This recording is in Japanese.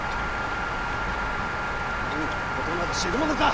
天下のことなど知るものか！